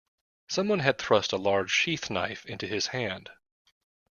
Some one had thrust a large sheath-knife into his hand.